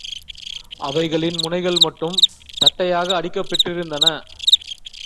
அவைகளின் முனைகள்மட்டும் தட்டையாக அடிக்கப்பெற்றிருந்தன.